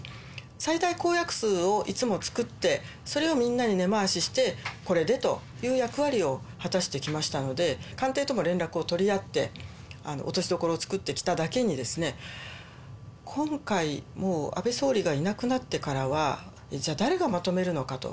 最大公約数をいつも作って、それをみんなに根回しして、これでという役割を果たしてきましたので、官邸とも連絡を取り合って、落としどころを作ってきただけに、今回もう安倍総理がいなくなってからは、じゃあ誰がまとめるのかと。